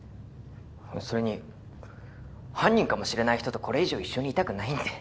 それに犯人かもしれない人とこれ以上一緒にいたくないんで。